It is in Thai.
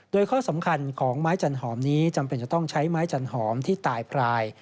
โดยข้อสำคัญของไม้จันหอมนี้จำเป็นจะต้องใช้ไม้จันหอมที่ตายพราย